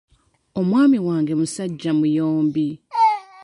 Omwami wange musajja muyombi.